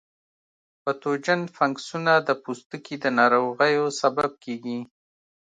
پتوجن فنګسونه د پوستکي د ناروغیو سبب کیږي.